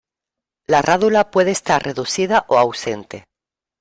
La rádula puede estar reducida o ausente.